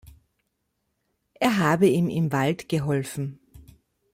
Er habe ihm im Wald geholfen.